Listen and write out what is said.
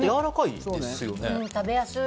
食べやすい。